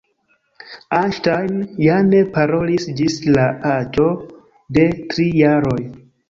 Einstein ja ne parolis ĝis la aĝo de tri jaroj.